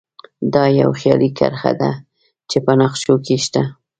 دا یوه خیالي کرښه ده چې په نقشو کې شته